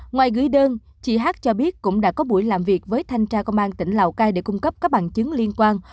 ngoài gửi đơn chị hát cho biết cũng đã có buổi làm việc với thanh tra công an tỉnh lào cai để cung cấp các bằng chứng liên quan